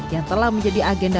yang telah menjadi agenda